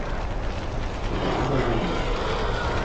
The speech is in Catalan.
És amant dels animals.